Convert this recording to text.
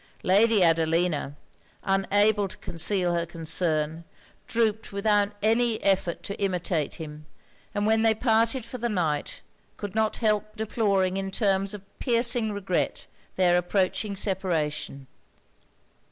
Lady Adelina, unable to conceal her concern, drooped without any effort to imitate him; and when they parted for the night, could not help deploring in terms of piercing regret their approaching separation.